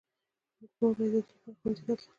مور به يې د ده لپاره ښوونځي ته تله.